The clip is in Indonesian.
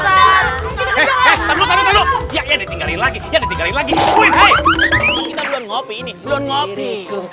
hei hei tunggu tunggu tunggu